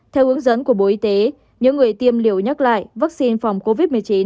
theo hướng dẫn của bộ y tế những người tiêm liều nhắc lại vaccine phòng covid một mươi chín